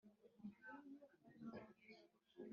Ya jenoside mu gihugu no mu mudugudu wibukiwemo by umwihariko